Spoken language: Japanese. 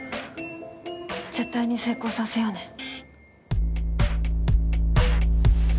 絶対に成功させようね。